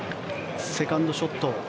セカンドショット。